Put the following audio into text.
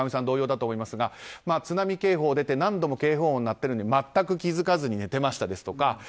同様だと思いますが津波警報が出て何度も警報音が出ているのに全く気付かずに寝てましたですとか